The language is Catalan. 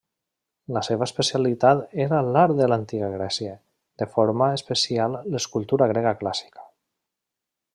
La seva especialitat era l'art de l'Antiga Grècia, de forma especial l'escultura grega clàssica.